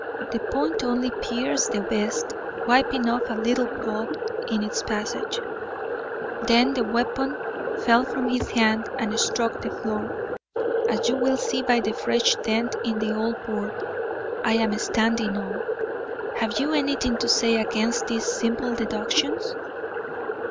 The point only pierced the vest, wiping off a little blood in its passage, then the weapon fell from his hand and struck the floor, as you will see by the fresh dent in the old board I am standing on. Have you anything to say against these simple deductions?"